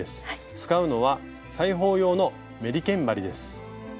使うのは裁縫用のメリケン針です。